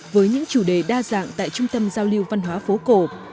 với những chủ đề đa dạng tại trung tâm giao lưu văn hóa phố cổ